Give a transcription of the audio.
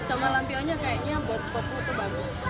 sama lampionya kayaknya buat spot spot bagus